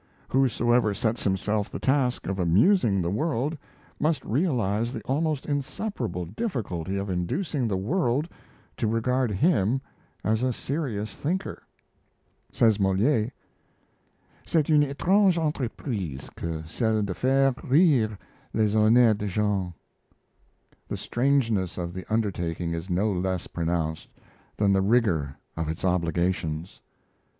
Whosoever sets himself the task of amusing the world must realize the almost insuperable difficulty of inducing the world to regard him as a serious thinker. Says Moliere "C'est une etrange entreprise que celle de faire rire les honnetes gens." The strangeness of the undertaking is no less pronounced than the rigour of its obligations.